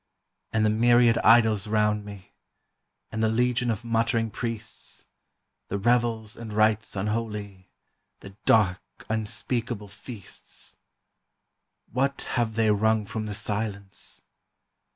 And the myriad idols round me, and the legion of muttering priests, The revels and rites unholy, the dark unspeakable feasts! What have they rung from the Silence?